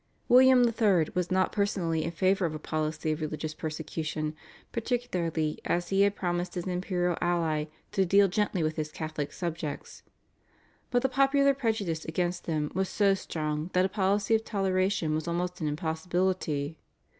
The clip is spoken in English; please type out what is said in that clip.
William III. was not personally in favour of a policy of religious persecution, particularly as he had promised his imperial ally to deal gently with his Catholic subjects. But the popular prejudice against them was so strong that a policy of toleration was almost an impossibility.